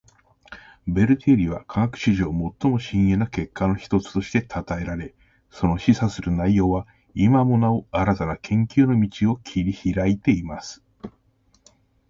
ベル定理は科学史上最も深遠な結果の一つとして讃えられ，その示唆する内容は今もなお新たな研究の道を切り拓いています．